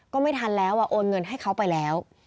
ก็ไม่ทันแล้วโอนเงินให้เขาไปแล้ว